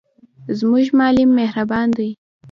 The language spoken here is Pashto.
زموږ معلم مهربان دی.